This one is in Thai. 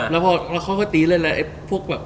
แล้วพอค่อยตีเลยแล้วพวกแบบ